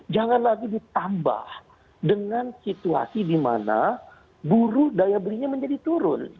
jangan lagi ditambah dengan situasi di mana buruh daya belinya menjadi turun